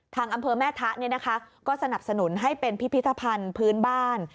อำเภอแม่ทะก็สนับสนุนให้เป็นพิพิธภัณฑ์พื้นบ้าน